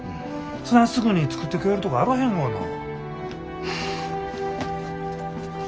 そないすぐに作ってくれるとこあらへんがな。